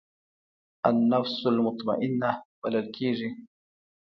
النفس المطمئنه بلل کېږي.